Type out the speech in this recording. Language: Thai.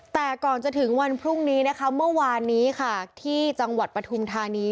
แต่ก่อนจะถึงวันพรุ่งนี้นะคะเมื่อวานนี้ค่ะที่จังหวัดปฐุมธานี